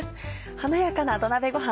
華やかな土鍋ごはん